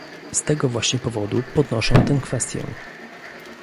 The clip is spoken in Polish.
Z tego właśnie powodu podnoszę tę kwestię